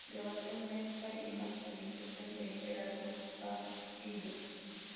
Grabación, mezcla y masterización de Gerardo Carrillo.